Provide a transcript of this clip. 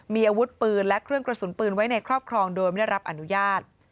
มีอาวุธปืนและเครื่องกระสุนปืนไว้ในครอบครองโดยไม่ได้รับอนุญาต